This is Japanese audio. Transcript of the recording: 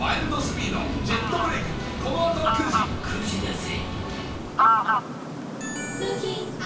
９時だぜ！